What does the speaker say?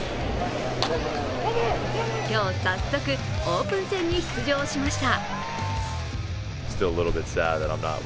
今日、早速、オープン戦に出場しました。